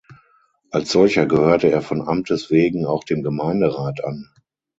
Als solcher gehörte er von Amtes wegen auch dem Gemeinderat an.